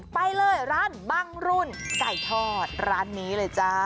ไปเลยร้านบังรุ่นไก่ทอดร้านนี้เลยจ้า